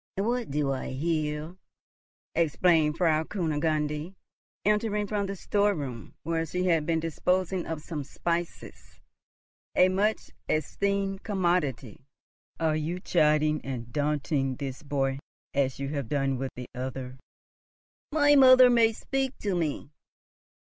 "What do I hear?" exclaimed Frau Kunigunde, entering from the storeroom, where she had been disposing of some spices, a much esteemed commodity. "Are you chiding and daunting this boy, as you have done with the other?" "My mother may speak to me!"